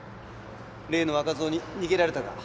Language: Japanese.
例の若造に逃げられたか。